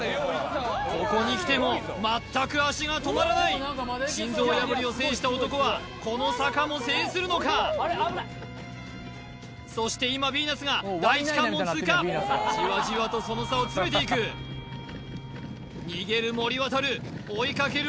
ここにきても全く足が止まらない心臓破りを制した男はこの坂も制するのかそして今ヴィーナスが第一関門通過じわじわとその差を詰めていく逃げる森渉追いかける